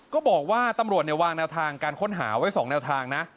ก็บอกว่าตำรวจวางแนวทางการค้นหาไว้๒แนวทางนะ